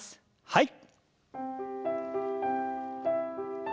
はい。